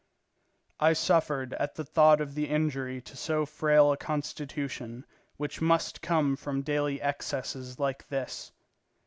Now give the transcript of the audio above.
I suffered at the thought of the injury to so frail a constitution which must come from daily excesses like this.